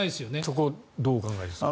そこはどうお考えですか。